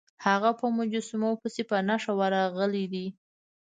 هغه په مجسمو پسې په نښه ورغلی دی.